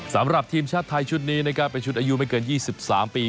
สำหรับทีมชาติไทยชุดนี้นะครับเป็นชุดอายุไม่เกิน๒๓ปี